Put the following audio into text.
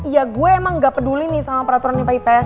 iya gue emang gak peduli nih sama peraturannya pps